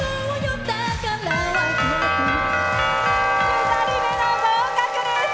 ２人目の合格です。